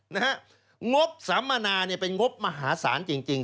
งบสัมมนาเป็นงบมหาศาลจริง